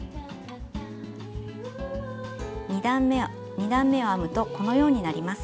２段めを編むとこのようになります。